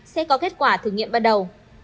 sẽ có kết quả thử nghiệm ban đầu